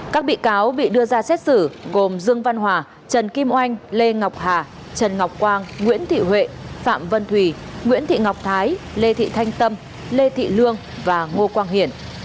các bị cáo bị đưa ra xét xử gồm dương văn hòa trần kim oanh lê ngọc hà trần ngọc quang nguyễn thị huệ phạm vân thùy nguyễn thị ngọc thái lê thị thanh tâm lê thị lương và ngô quang hiển